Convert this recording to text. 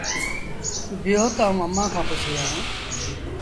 بيٚهو تا آئوٚݩ اَمآݩ کآݩ پُڇي آن۔